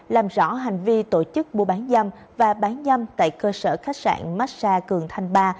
làm rõ hành vi tổ chức mua bán dâm và bán dâm tại cơ sở khách sạn massag cường thanh ba